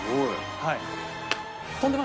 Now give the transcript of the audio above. はい。